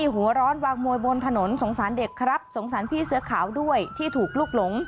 หัวร้อนวางมวยบนถนนสงสารเด็กครับสงสารพี่เสื้อขาวด้วยที่ถูกลุกหลง